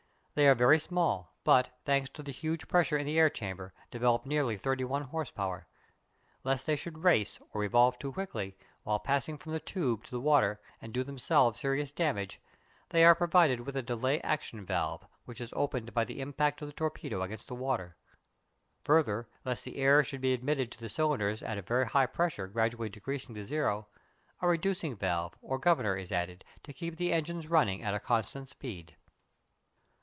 They are very small, but, thanks to the huge pressure in the air chamber, develop nearly thirty one horse power. Lest they should "race," or revolve too quickly, while passing from the tube to the water and do themselves serious damage, they are provided with a "delay action valve," which is opened by the impact of the torpedo against the water. Further, lest the air should be admitted to the cylinders at a very high pressure gradually decreasing to zero, a "reducing valve" or governor is added to keep the engines running at a constant speed.